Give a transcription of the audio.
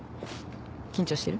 緊張してる？